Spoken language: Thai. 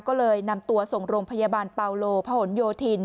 ก็เลยนำตัวส่งโรงพยาบาลปาโลพะหนโยธิน